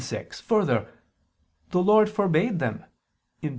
6: Further, the Lord forbade them (Deut.